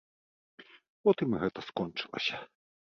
Потым і гэта скончылася.